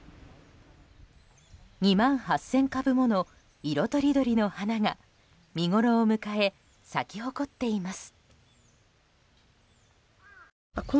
２万８０００株もの色とりどりの花が見ごろを迎え咲き誇っています。